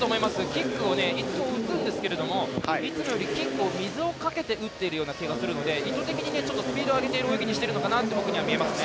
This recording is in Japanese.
キックを打つんですけどいつもよりキックを水をかけて打っているような気がするので意図的にスピードを上げている泳ぎにしてるのかと僕には見えます。